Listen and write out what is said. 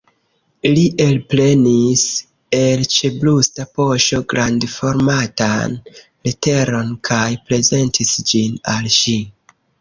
Li elprenis el ĉebrusta poŝo grandformatan leteron kaj prezentis ĝin al ŝi.